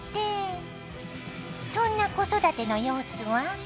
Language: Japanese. そんな子育ての様子は？